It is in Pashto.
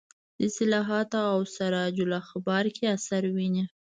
د اصلاحاتو او سراج الاخبار کې اثر ویني.